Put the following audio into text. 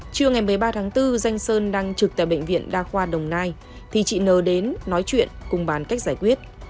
trưa ngày một mươi ba tháng bốn danh sơn đang trực tại bệnh viện đa khoa đồng nai thì chị nờ đến nói chuyện cùng bàn cách giải quyết